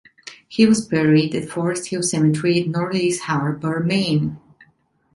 He was buried at Forest Hill Cemetery in Northeast Harbor, Maine.